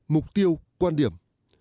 mục tiêu quan điểm